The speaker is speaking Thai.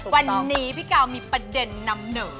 วันนี้พี่กาวมีประเด็นนำเหนอ